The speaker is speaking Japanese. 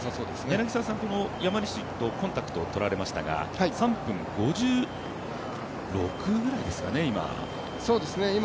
柳澤さん、この山西とコンタクトをとられましたが、３分５６ぐらいですかね、今。